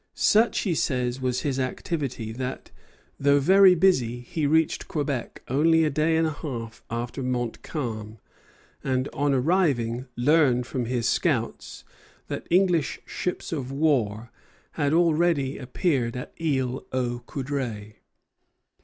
Such, he says, was his activity, that, though very busy, he reached Quebec only a day and a half after Montcalm; and, on arriving, learned from his scouts that English ships of war had already appeared at Isle aux Coudres.